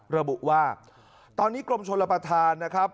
ระบุว่าตอนนี้กรมชนรับประธานนะครับ